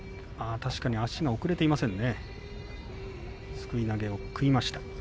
確かに足が送れていませんね。